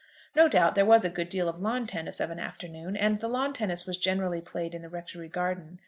No doubt there was a good deal of lawn tennis of an afternoon, and the lawn tennis was generally played in the rectory garden.